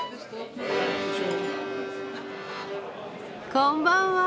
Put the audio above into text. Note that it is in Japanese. こんばんは。